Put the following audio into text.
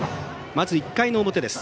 まず１回の表です。